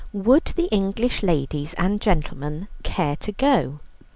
Would the English ladies and gentlemen care to go?